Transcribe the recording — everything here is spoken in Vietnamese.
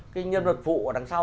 cái nhân vật phụ ở đằng sau